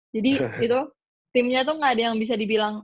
jadi gitu timnya tuh gak ada yang bisa dibilang